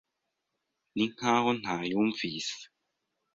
Ni nk’aho ntayumvise.